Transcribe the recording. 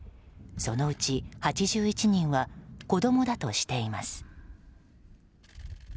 そのうち８１人は子供だとしています。